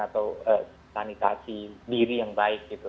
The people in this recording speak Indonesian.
atau sanitasi diri yang baik gitu